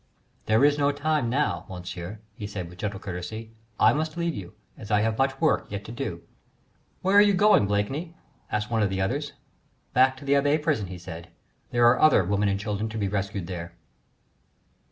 "There is no time now, Monsieur," he said, with gentle courtesy. "I must leave you, as I have much work yet to do." "Where are you going, Blakeney?" asked one of the others. "Back to the Abbaye prison," he said; "there are other women and children to be rescued there!"